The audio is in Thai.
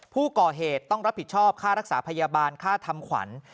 ผู้ก่อเหตุต้องรับผิดชอบค่ารักษาพยาบาลค่าทำขวัญ